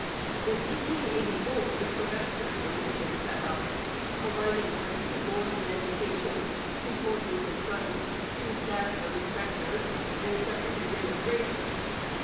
In 1884 the Quebec system had been set up, providing for two boards of education, two courses of study, two staffs of inspectors, and separate administrations.